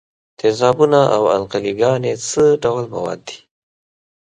تیزابونه او القلې ګانې څه ډول مواد دي؟